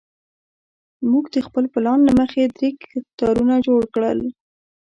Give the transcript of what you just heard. موږ د خپل پلان له مخې درې کتارونه جوړ کړل.